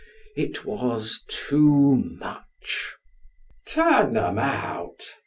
It was too much. " Turn them out !